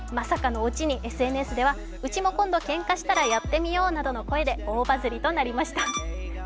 ＳＮＳでは、うちも今度けんかしたらやってみようなどの声で大バズりとなりました。